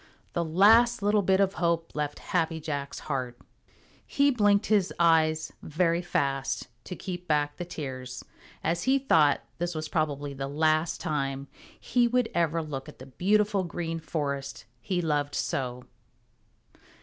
The last little bit of hope left Happy Jack's heart. He blinked his eyes very fast to keep back the tears, as he thought that this was probably the last time he would ever look at the beautiful Green Forest he loved so.